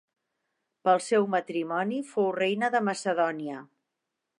Pel seu matrimoni fou reina de Macedònia.